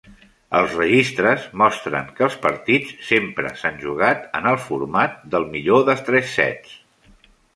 Els registres mostren que els partits sempre s'han jugat en el format del millor de tres sets.